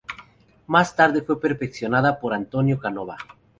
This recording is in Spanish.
Más tarde fue perfeccionada por Antonio Canova.